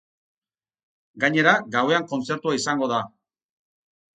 Gainera, gauean kontzertua izango da.